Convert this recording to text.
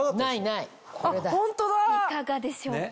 いかがでしょうか？